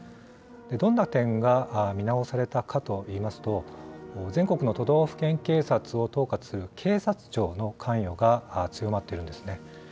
どんな点が見直されたかといいますと、全国の都道府県警察を統括する警察庁の関与が強まっているんですね。